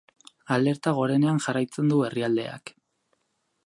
Alerta gorenean jarraitzen du herrialdeak.